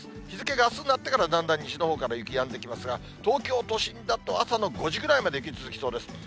日付があすになってから、だんだん西のほうから雪、やんできますが、東京都心だと朝の５時ぐらいまで雪が続きそうです。